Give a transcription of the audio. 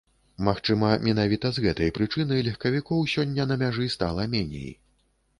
Магчыма, менавіта з гэтай прычыны легкавікоў сёння на мяжы стала меней.